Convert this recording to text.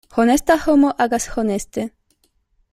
Honesta homo agas honeste.